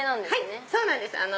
はいそうなんです。